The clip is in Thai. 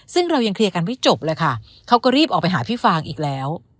ซึ่งเรายังเคลียร์กันไม่จบเลยค่ะเขาก็รีบออกไปหาพี่ฟางอีกแล้ว